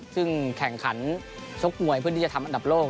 ซึ่งแข่งขันชกมวยเพื่อที่จะทำอันดับโลก